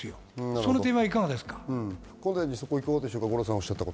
その点はいかがですか。